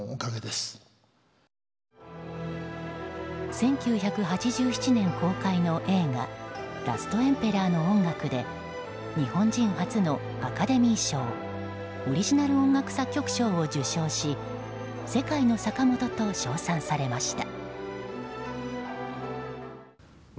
１９８７年公開の映画「ラストエンペラー」の音楽で日本人初のアカデミー賞オリジナル音楽作曲賞を受賞し世界のサカモトと称賛されました。